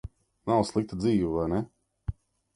Nav slikta dzīve, vai ne?